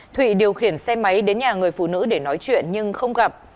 thụy điều khiển xe máy đến nhà người phụ nữ để nói chuyện nhưng không gặp